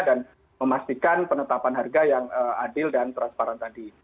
dan memastikan penetapan harga yang adil dan transparan tadi